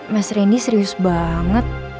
mas rendy serius banget